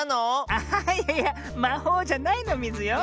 あいやいやまほうじゃないのミズよ。